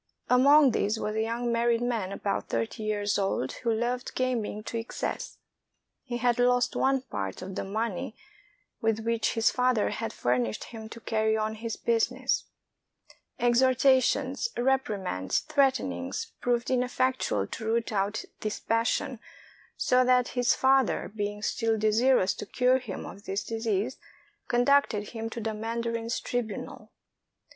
Among these was a young married man about thirty years old who loved gaming to excess. He had lost one part of the money with which his father had furnished him to carry on his busi ness; exhortations, reprimands, threatenings, proved ineffectual to root out this passion, so that his father, being still desirous to cure him of this disease, conducted him to the mandarin's tribunal.